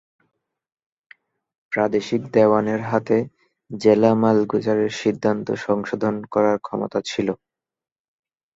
প্রাদেশিক দেওয়ানের হাতে জেলা মালগুজারের সিদ্ধান্ত সংশোধন করার ক্ষমতা ছিল।